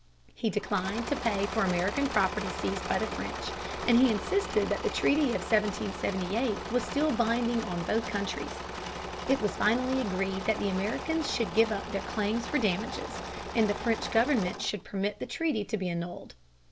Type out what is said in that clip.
He declined to pay for American property seized by the French, and he insisted that the treaty of 1778 (pp. 115, 166) was still binding on both countries. It was finally agreed that the Americans should give up their claims for damages, and the French government should permit the treaty to be annulled.